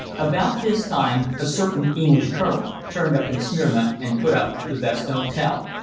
About this time a certain English colonel turned up in Smyrna and put up at the best hotel.